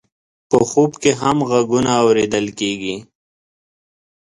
په خوب کې هم غږونه اورېدل کېږي.